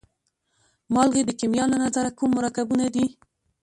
مالګې د کیمیا له نظره کوم مرکبونه دي؟